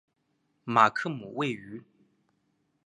马克姆位于。